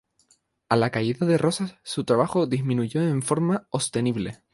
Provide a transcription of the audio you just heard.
A la caída de Rosas, su trabajo disminuyó en forma ostensible.